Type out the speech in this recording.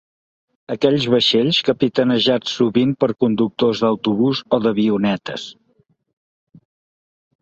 Aquells vaixells capitanejats sovint per conductors d’autobús o d’avionetes.